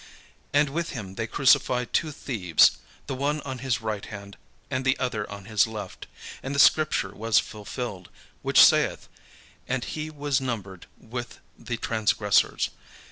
And with him they crucify two thieves; the one on his right hand, and the other on his left. And the scripture was fulfilled, which saith, "And he was numbered with the transgressors."